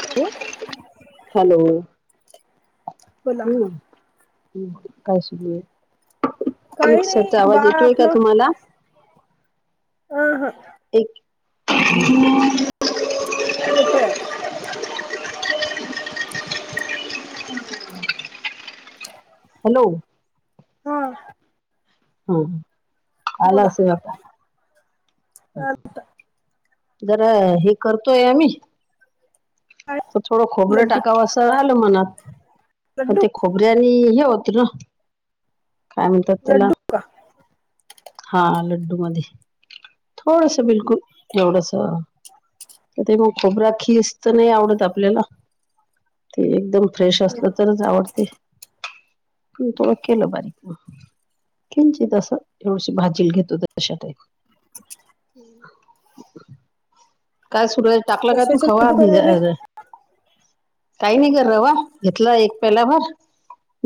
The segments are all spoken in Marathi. [inaudible] हॅलो बोला हम्. काय सुरू आहे? काही रिक्षाचा नाही आवाज बाळ येतोय का आपलं तुम्हाला? अ हं. एक. [inaudible] येतोय ई [unintelligible] हॅलो होय हा आला बोला असेल आता अ बरं हे करतोय आम्ही काय तर थोडं खोबरं लड्डू टाकावं असं आलं मनात पण लड्डू ते खोबऱ्यानी हे होतं ना काय म्हणत्यात त्याला लड्डू का हा लड्डू मध्ये थोडसं बिलकुल एवढसं कीती. घ खोबरा खीस तर नाही आवडत आपल्याला ते एकदम फ्रेश असलं तरच आवडतय कवताळ्या केल्या बारीत मग किंचित असं एवढशी भाजी घेतोय त अशा टाईप हम् काय सुरू आहे टाकलं काय तू कशाचे खवा लड्डू बघुया करायले रे काही नाही कराय वा घेतलं एक पेल्या भर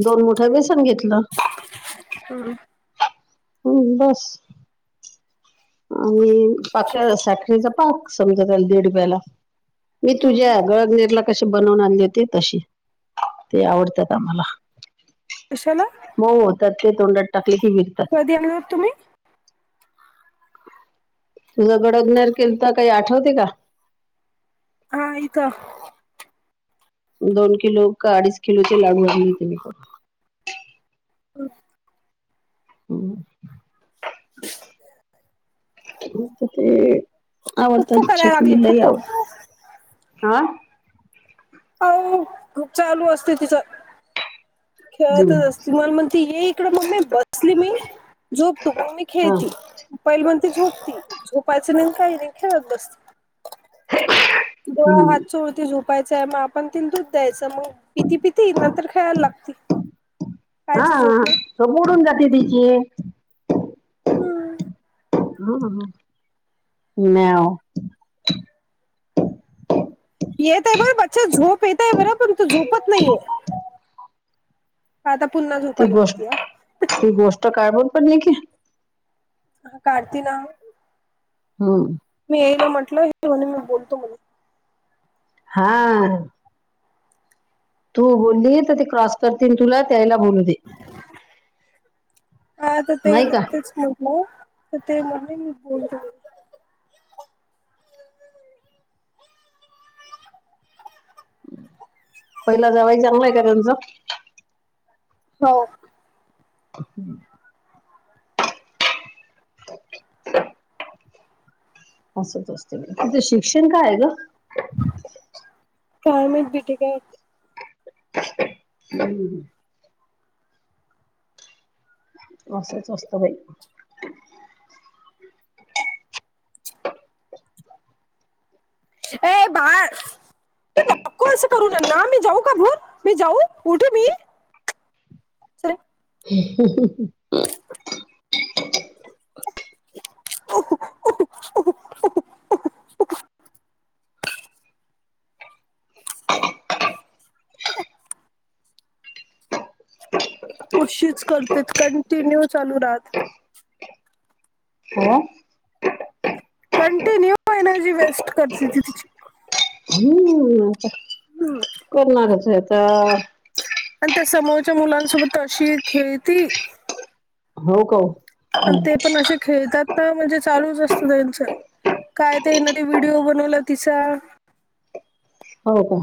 दोन मोठं बेसन घेतलं हम् हम् बस आणि पाक केला साखरेचा पाक समदं त्या दीड रुपयाला मी तुझ्या गळनेरला कशी बनवून आणली होती तशी ते आवडतात आम्हाला कशाला मऊ होतात ते तोंडात टाकले की विरतात कधी आणलं होतं तुम्ही किलो गडगनर केलतं काही आठवतय का हाय का दोन किलो का अडीच किलोचे लाडू दिले तिने करून होय होय [unintelligible] खिरित ते फुप्फू आवडतात करायला लागली छकुलीलाही फुप्फू आवडतात हा काय नाहि खूप चालू असतय तिचं हम्म. खेळतच असती मला मग ती ये इकडं मम्मी बसली मी झोप तु मग मी हा खेळती पहिलं म्हणती झोप तु झोपायचं नाही काही नाही खेळत बसते देवा हम्म. हात चोळते झोप पाहायचं मग आपण तिला दूध द्यायचं मग पिती पिती नंतर खेळायला लागती हा कायची झोप ना तर मोडून जाते भिती हम्म नाही हा येत आहे बरं बच्चे झोप येत आहे बरं पण तू झोपत नाहीये का आता पुन्हा झोप ती आली गोष्ट म्हणत्या ती गोष्ट काढायला पण नाही की हा काढती ना हो मी येईल म्हटलं, हे म्हणे, मी बोलतो म्हणे हा तू बोलली, तर ते क्रॉस करतील. तुला त्यायला बोलू दे. हा आता ते नाही का नुकतेच मग म त ते ममी बोलतेय. पहिला जावय चागलंय का त्यांचं हो. अ हुं असंच असत हे, तुझं शिक्षण काय ये ग काय नाय बी टेक आय [unintelligible] असच असतं बाई ये बाळ तू नको असं करू न न, ना मी जाऊ का भुर मी जाऊ उठु मी [inaudible] [unintelligible] [inaudible] अशीच करते. कंटिन्यू चालू राहत. हो कंटिन्यू एनर्जी वेस्ट करते ती तिची [unintelligible] करणारच य आता आणि त्या समोरच्या मुलांसोबत अशी खेळती हो का ओ पण ते पण असे खेळतात का म्हणजे चालूच असत. त्यांच काय ते ना ते व्हिडिओ बनवला तिचा हो का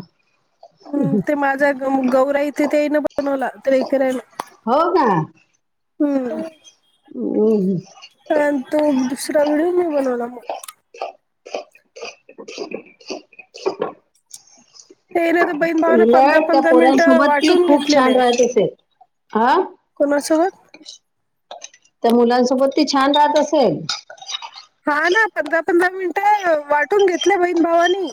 हम्म, ते माझा गौरा इथे ते ते ई न बनवला. तर ईकरईन हो का हम्म [unintelligible] ह तो दुसरा व्हिडिओ मी बनवला म [inaudible] ते ये ना तर बहीण भावानं पंधरा उलट त्या पंधरा मिनिट पोरांसोबत ती वाटून खूप घेतलेले. छान राहत असेल हा कोणासोबत त्या मुलांसोबत ती छान राहत असल. हा ना, पंधरा पंधरा मिनिटं वाटून घेतलय बहीण भावानी.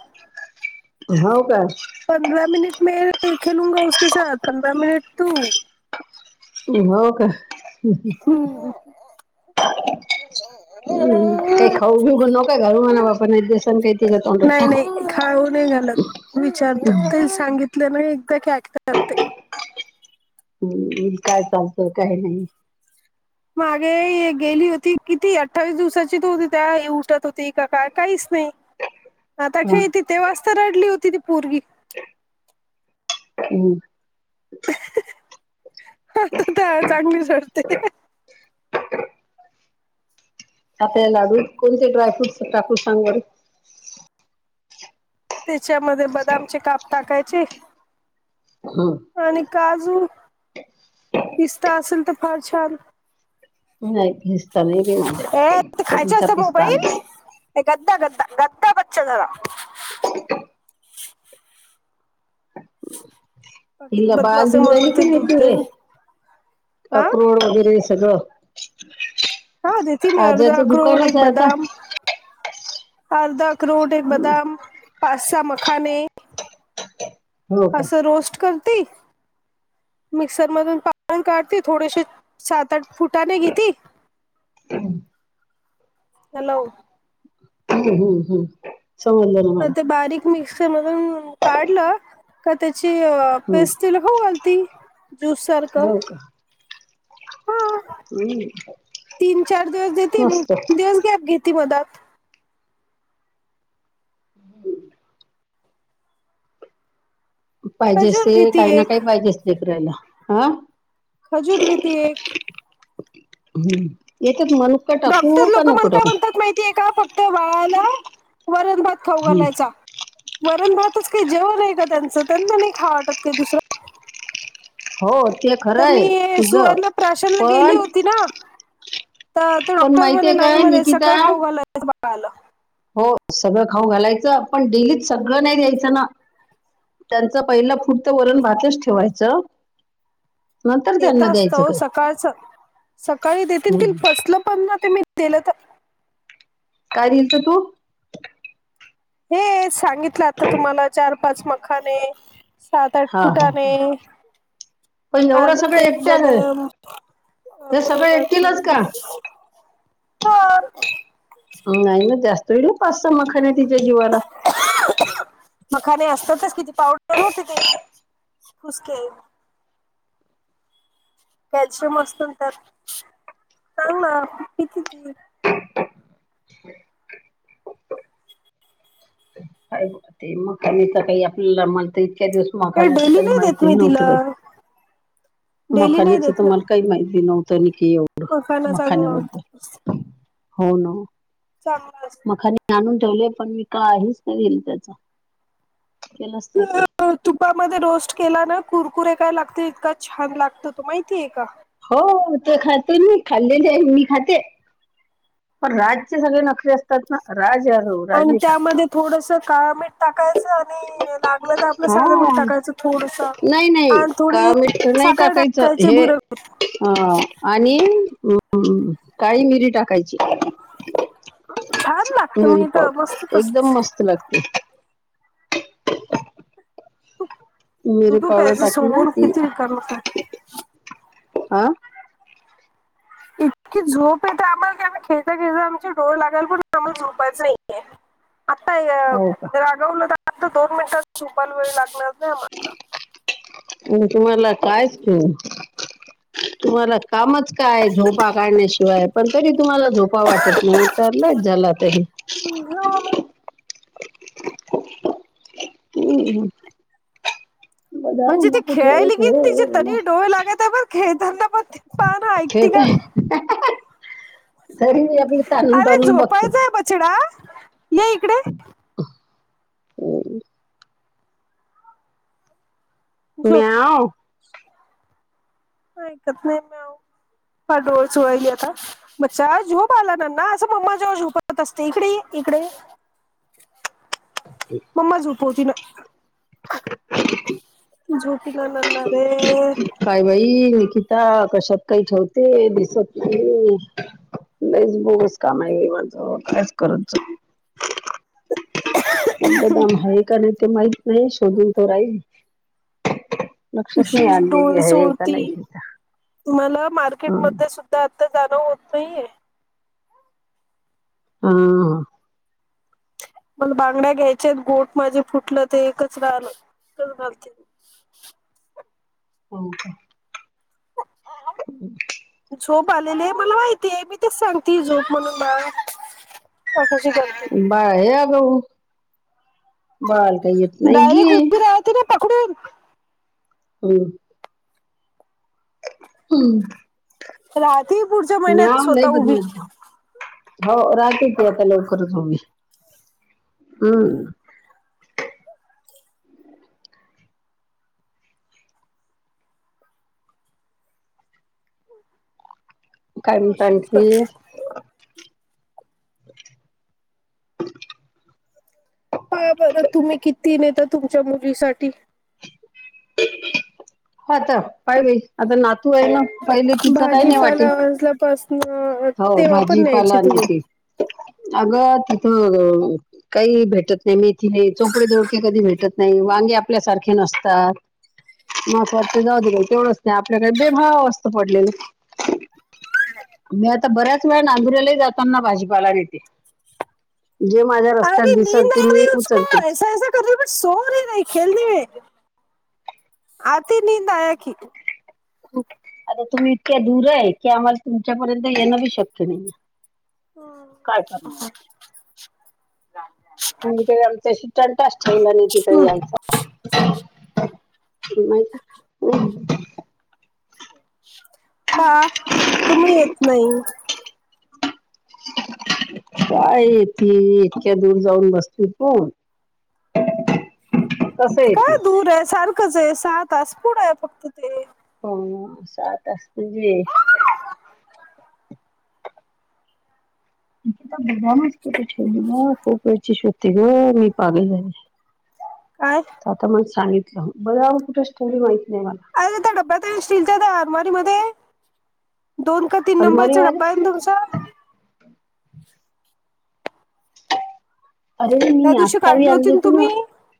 हो काय पंधरा मिनिटं मे खेलूंगा उसके साथ, पंधरा मिनिटं तु हो का हम्म. हम् काय खाऊ बिऊ नको घालु म्हणा आपण एक दिवसांन तिला तोंडात नाही टाकून खाऊ नाही घालत. विचारतात. काही सांगितलं ना एकदा की ऐकतात ते हम्म, काय चालतंय काय नाही मागे नाय गेली होती. किती अठ्ठावीस दिवसाची त होती. त्यावेळी उठत होती का काय काहीच नाही. आता हा खेळते. तेव्हाच त रडली होती ती पोरगी हुं. हा त्यावेळी चांगलीच रडते. आता या लाडुत कोणते ड्रायफ्रूटस टाकू सांग बर? तेच्या मध्ये बदामचे काप टाकायचे हुं. आणि काजू, पिस्ता असेल तर फार छान. नाही पिस्ता नाही बाई ए माझ्याकडे, कधीचा पिस्ता आणला नाही. ते गद्धदा गद्दा गद्दा बच्चा झाला किती इला बाळाला बदमाश आहे दिवू मला राहिली म्हणते की नाही, दूध तू दे रे हा अक्रोड वगैरे सगळ हा देती मी अर्धा अखरोड, एक बदाम अर्धा अक्रोड, एक बदाम, पाच-सहा मखाने हो का असं रोस्ट करते. मिक्सर मधून पान काढते, थोडेसे सात आठ फुटाने घेती हुं. हॅलो. हू हू हू. हम् समजल. ते बारीक मिक्सर मधून काढलं का त्याची हम्म. पेस्ट तिला खावू घालती. ज्युस सारख हो का हम्म. तीन चार दिवस देते मग, पण मस्त तीन दिवस घेते आता [unintelligible] हुं. पाहिजे खजूर असतय, घेते काही ना एक काही पाहिजे असतय करायला हा. खजूर घेतीये एक हम्म एकच मनुका. डॉकटर टाकू का लोक, नको मला काय टाकू म्हणतात माहितीय का? फक्त वाळाला वरण भात खाऊ हम्म. घालायचा. वरण भातच का जेव आहे का त्यांचं, त्यांना नाही हा वाटत. हो ते खर. तर मी सुवर्ण प्राशनला गेली होती ना. तर ते पण डॉक्टर म्हणे माहितीय नाही काय म्हणे, निकिता सगळं खाऊ घालायच बाळाला बघाला हो सगळं खाऊ घालायचं, पण डेलीत सगळं नाही द्यायचं ना. त्यांचं पहिलं वरण भातच ठेवायचं. नंतर येत तर त्यांना असत. द्यायचं काय सकाळच सकाळी देतील ते हम्म. फसलं पण ना ते मी केलं तर काय दिल तू? हेच सांगितलं आता तुम्हाला चार पाच मकाने सात आठ हा हा फुटाने पण हा एवढं सगळं तेच ग, एकट्या बदाम अ हे सगळं अकरोडाची. एकटीलच का हो. नाही म जास्त व्हहिल पाच सहा मखान तिच्या जीवाला. मखाने असतातच किती? पावडर होती ती. कुसके कॅल्शियम असत त्यात तर ना किती ते काय ते मग आ तर काही आपल्याला म्हणत इतक्या दिवस मखाण्याच डेली काही नाही देत माहीती ही मी नव्हत तिला बाई डेली नाही मखानेच देत त्या ना मला. काही माहिती नव्हतं न की एवढं. मखाना चांगलं मखाान्याबद्दल हो न. चांगलंय. ते आणून ठेवलेत, पण मी काहीच नाही केल त्याच, केलंच नाही काय. तुपामध्ये रोस्ट केला ना कुरकुरे काय लागतील इतका छान लागतो तो माहिती ये का? हो ते खाते मी, खाल्लेले आहे मी खाते. पण राजचे सगळे नखरे असतात ना राज यादव राज पण नाही खात त्यामध्ये थोडस काळा मीठ टाकायचं आणि लागलं तर आपलं हा. साधं पण टाकायचं थोडस नाही नाही आणि थोडी काळ मीठ नाही साखर टाकायचं टाकायची हे भुर अ आणि म म काळी मिरी टाकायची. छान लागते मिल्क मी तर पावडर मस्त तस एकदम मस्त लागते. मीरी तू पावडर प्यायचं टाकली ना सोडून की किती रिकाम होत हां इतकी झोप येते आम्हाला की आम्ही खेळता खेळता आमची डोळ लागाल पण आम्हाला झोपायचं आता अ हो का रागवलं तर आता दोन मिनटांत झुपायला वेळ लागणार नाय आम्ह आणखी मला कायच [unintelligible] तुम्हाला कामच काय झोपा काढण्याशिवाय पण तरी तुम्हाला झोपा वाटत नाय. तरला झाला तेनी [unintelligible] [inaudible] हम्म हम्म. म्हणजे ती खेळायली किन तरी तिचे खेळ ना तरी डोळे लागतये बघ खेळताना पण पार ऐकती खेळत का. आहे तरी मी आपली ताणून अरे ताणून बघते झोपायचय बछडा ये इकडे [inaudible] झोप म्याव. आयकत नाय म्याव पहा डोळ चोळायली आता बच्च्या झोप आला न ना असं मम्मा जवळ झोपत असते इकड ये इकड ये. मम्मा झोपवती ना झोप ना नन्ना रे. काय बाई निकिता कशात काय ठेवते दिसत नाई. लईच बोगस काम हाय हे माझं कायच करायचं बदाम आहे का नाय ते माहित नाय शोधून तर राहीली. कशी [unintelligible] डोळे चोळती हे का मला हं मार्केटमध्ये सुद धा आता जाणं होत नाहीये. हा हा. मला बांगड्या घ्यायच्या येत गोठ माझे फुटलं ते एकच राहल तेच घालते. ओके. [inaudible] झोप आलेली ये मला माहितीये मी तेच सांगतीये झोप म्हणून बाळा बघ कशी करते बाळ लय आगाव, बाळाला काय येत नाय घे. डायरेक्ट उभी राहते ना पकडून हम्म. हम्म. राहतीये पुढच्या महिन्यात लय स्वतः उभी बदमाश झाली. हो राहती ती आता लवकरच उभी हम्म. काय म्हणता अशीच करते. आणखी? पाहा बरं तुम्ही किती नेता तुमच्या मुलीसाठी हो ता पाय बाई आता नातू हाय ना. पहिले तिचं काय नाही वाटे, भाजीपाला वाजल्यापासन हो तेव्हा पण न्यायचे भाजीपाला तुम्ही. नेते. अगं तिथं. काई भेटत नाय मेथी नाय चोपडे दोडके कधी भेटत नाय वांगे आपल्यासारखे नसतात. महत्वाचं जाऊदे बाई तेवढंच नाही आपल्याकडे बेभाव असत पडलेलं. मी आता बऱ्याच वेळा नांदुऱ्याला ही जाताना भाजीपाला नेते. जे माझ्या अरे रस्त्यात दिसंल नींद ते आ रही मी है उसको उचलतेच. [inaudible] आता तुम्ही इतक्या दूर आहे की आम्हाला तुमच्यापर्यंत येणं बी शक्य नाहीये. हां तुम्ही काय आमच्याशी तंटाच ठेवला नाही तिकडे यायचा. [unintelligible] का तुम्ही येत नाही? काय येती इतक्या दूर जाऊन बसली तु. [inaudible] काय दूर आहे सारखंच आहे सहा तास पुढं आहे फक्त ते. हो सहा तास म्हणजे निकिता बदामच कुठं ठेवली गं खूप वेळची शोधती गं, मी पागल झाली. [inaudible] काय? आता मला सांगितलं बदामच कुठं ठेवली माहित नाही मला. अरे त्या डब्यात आहे स्टीलच्या त्या अरमारी मध्ये. दोन का तीन अलमारी नंबरचा मध्ये डब्बा आहे ना तुमचा? अरे त्या मी दिवशी आत्ता बी काढली आणली होती ना! तुम्ही